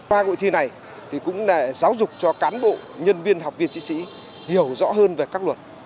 ba cuộc thi này cũng giáo dục cho cán bộ nhân viên học viên chiến sĩ hiểu rõ hơn về các luật